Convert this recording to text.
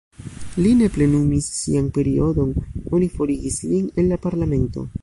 Li ne plenumis sian periodon, oni forigis lin el la parlamento.